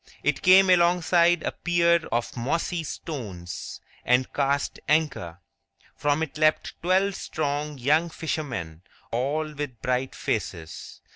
It came alongside a pier of mossy stones, and cast anchor. From it leapt twelve strong young fishermen, all with bright faces.